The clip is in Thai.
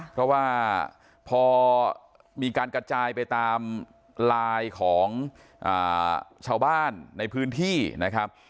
เพราะว่าพอมีการกระจายไปตามไลน์ของชาวบ้านในพื้นที่นะครับ